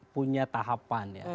punya tahapan ya